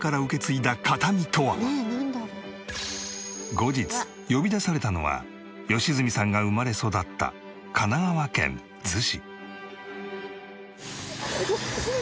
後日呼び出されたのは良純さんが生まれ育った神奈川県逗子。